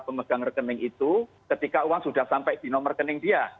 pemegang rekening itu ketika uang sudah sampai di nomor rekening dia